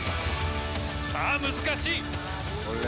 さぁ難しい！